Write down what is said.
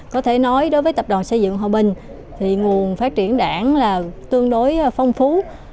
có thể nói đối với tập đoàn xây dựng hòa bình thì nguồn phát triển đảng là tương đối phong phú